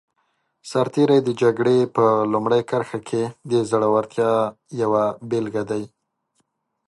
سرتېری د جګړې په لومړي کرښه کې د زړورتیا یوه بېلګه دی.